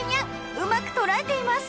うまくとらえています